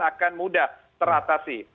akan mudah teratasi